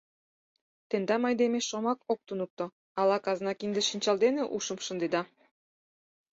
Тендам айдеме шомак ок туныкто, ала казна кинде-шинчал дене ушым шындеда?